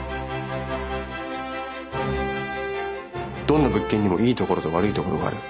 どんな物件にもいいところと悪いところがある。